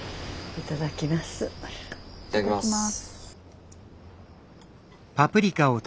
いただきます。